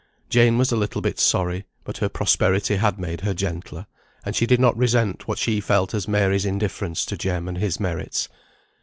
Jane was a little bit sorry, but her prosperity had made her gentler, and she did not resent what she felt as Mary's indifference to Jem and his merits.